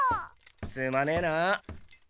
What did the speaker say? すまねえな。